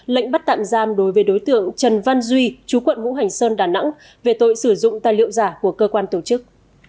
lệnh bắt tạm giam đối với đối tượng trần văn duy chú quận vũ hành sơn đà nẵng về tội sử dụng tài liệu giả của cơ quan tổ chức